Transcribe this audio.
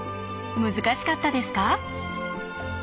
難しかったですか？